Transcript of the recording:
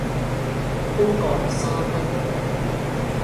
功蓋三分國